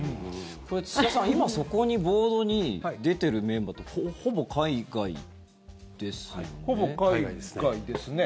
土田さん、今、そこにボードに出ているメンバーってほぼ海外ですよね。